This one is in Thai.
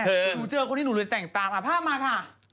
หนูเจอคนนี้หนูเลยแต่งตามภาพมาค่ะ